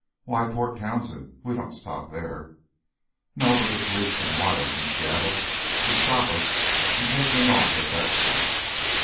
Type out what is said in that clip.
"Why Port Townsend? We don't stop there." "No. But the police can wire on from Seattle to stop us and take me off at that point."